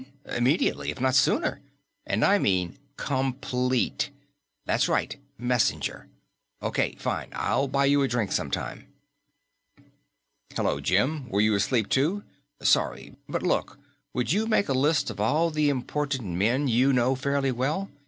Immediately, if not sooner. And I mean complete.... That's right, Messenger.... Okay, fine. I'll buy you a drink sometime." "Hello, Jim? Were you asleep too?... Sorry.... But look, would you make a list of all the important men you know fairly well?